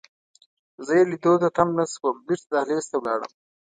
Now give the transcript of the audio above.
زه یې لیدو ته تم نه شوم، بیرته دهلېز ته ولاړم.